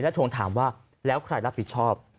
ทวงถามว่าแล้วใครรับผิดชอบ